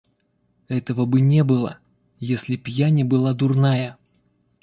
Этого бы не было, если б я не была дурная.